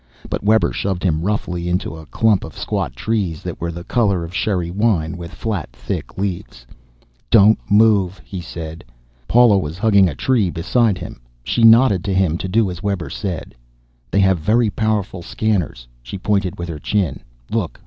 But Webber shoved him roughly on into a clump of squat trees that were the color of sherry wine, with flat thick leaves. "Don't move," he said. Paula was hugging a tree beside him. She nodded to him to do as Webber said. "They have very powerful scanners." She pointed with her chin. "Look.